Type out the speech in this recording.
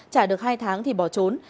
trả được hai tháng thì bỏ trốn